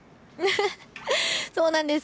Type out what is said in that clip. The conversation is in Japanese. そうなんです。